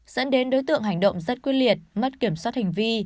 dẫn đến đối tượng hành động rất quyết liệt mất kiểm soát hành vi